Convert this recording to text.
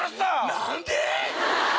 何で？